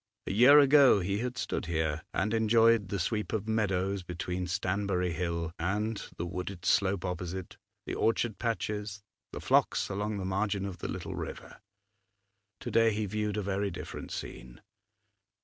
A year ago he had stood here and enjoyed the sweep of meadows between Stanbury Hill and the wooded slope opposite, the orchard patches, the flocks along the margin of the little river. To day he viewed a very different scene.